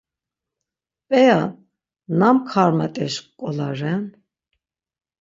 P̌eya nam karmat̆eş nǩola ren?